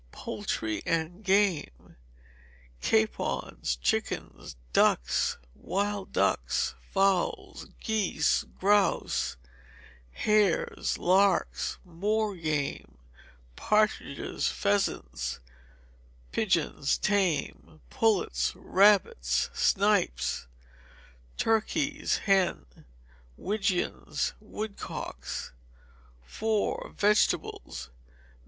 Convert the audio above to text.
Poultry and Game. Capons, chickens, ducks, wild ducks, fowls, geese, grouse, hares, larks, moor game, partridges, pheasants, pigeons (tame), pullets, rabbits, snipes, turkeys (hen), widgeons, woodcocks. iv. Vegetables.